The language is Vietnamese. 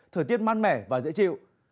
thở tiết man mẻ và dễ chịu